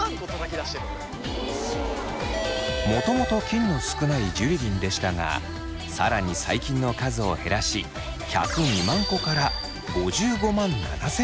もともと菌の少ないジュリリンでしたが更に細菌の数を減らし１０２万個から５５万７，０００個に。